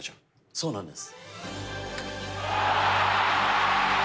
そうなんです。